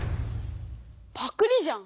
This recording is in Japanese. パクリじゃん！